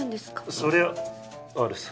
そりゃあるさ。